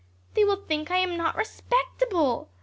They will think I am not respectable.